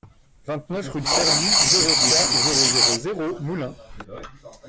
vingt-neuf rue de Serbie, zéro trois, zéro zéro zéro, Moulins